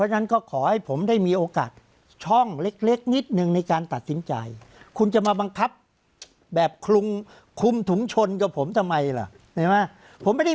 ไหมใช่ไหมใช่ไหมใช่ไหมใช่ไหมใช่ไหมใช่ไหมใช่ไหมใช่ไหมใช่ไหม